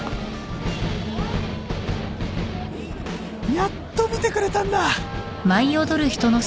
「やっと見てくれたんだ！！」